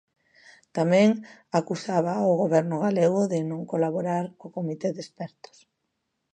Tamén acusaba ao Goberno galego de "non colaborar" co comité de expertos.